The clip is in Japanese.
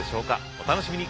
お楽しみに。